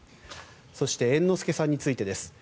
そして猿之助さんについてです。